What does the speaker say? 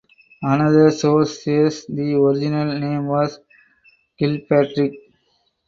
Another source says the original name was Kilpatrick.